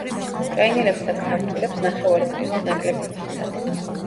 უკრაინელებს და ქართველებს ნახევარი ქულით ნაკლები ჰქონდათ.